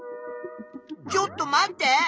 ちょっと待って！